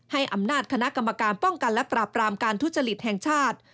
ให้อำนาจคณะกรรมการป้องกันและปราบรามการทุจริตแห่งชาติ